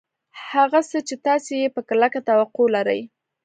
هغه څه چې تاسې یې په کلکه توقع لرئ